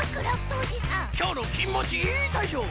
きょうの「きんもちいーたいしょう」